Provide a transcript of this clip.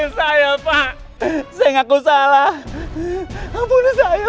dan saya yang sengaja menischem how stares